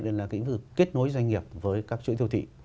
là cái lĩnh vực kết nối doanh nghiệp với các chuỗi siêu thị